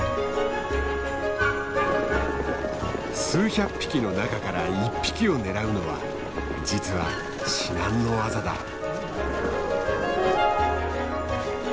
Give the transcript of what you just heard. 数百匹の中から１匹を狙うのは実は至難の業だ。